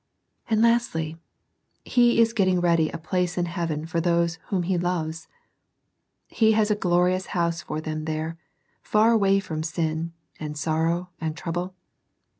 And lastly, He is getting ready a place in heaven for those whom He loves. He has a glorious house for them there, far away from sin, and sorrow, and trouble.